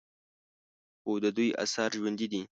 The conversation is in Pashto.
خو د دوی آثار ژوندي دي